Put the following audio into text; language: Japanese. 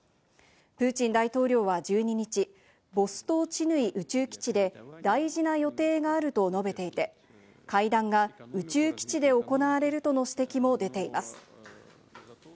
プーチン大統領は１２日、ボストーチヌイ宇宙基地で大事な予定があると述べていて、会談が宇宙基地で行われるとの指摘も出ています。